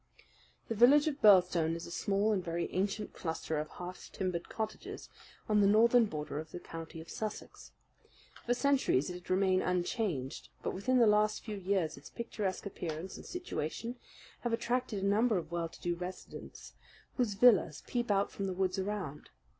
The village of Birlstone is a small and very ancient cluster of half timbered cottages on the northern border of the county of Sussex. For centuries it had remained unchanged; but within the last few years its picturesque appearance and situation have attracted a number of well to do residents, whose villas peep out from the woods around.